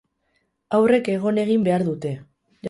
Haurrek egon egin behar dute.